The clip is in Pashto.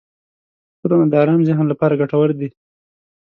عطرونه د ارام ذهن لپاره ګټور دي.